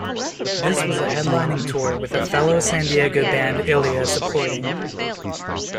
This was a headlining tour with fellow San Diego band, Ilya supporting.